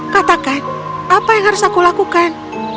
katakan apa yang harus aku lakukan